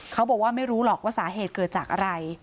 เขาบอกว่าไม่รู้หรอกว่าสาเหตุเกิดจากอะไร